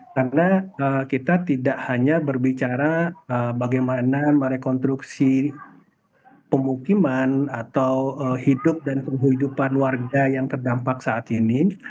karena kita tidak hanya berbicara bagaimana merekonstruksi pemukiman atau hidup dan kehidupan warga yang terdampak saat ini